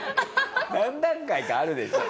何段階かあるでしょ？